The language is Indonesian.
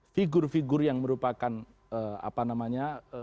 figur figur yang merupakan apa namanya